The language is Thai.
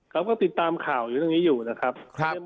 ครับก็ติดตามข่าวอยู่ตรงนี้อยู่นะครับ